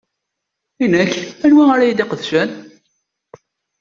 I nekk, anwa ara y-id-iqedcen?